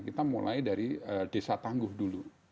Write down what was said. kita mulai dari desa tangguh dulu